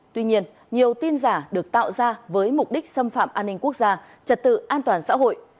tuy nhiên nhiều tin giả được tạo ra với mục đích xâm phạm an ninh quốc gia trật tự an toàn xã hội